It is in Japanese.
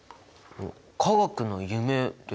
「化学の夢」ですか？